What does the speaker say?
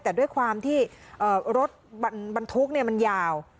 แต่ด้วยความที่รถบรรทุกมันยาว